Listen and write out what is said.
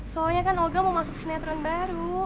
soalnya kan oga mau masuk sinetron baru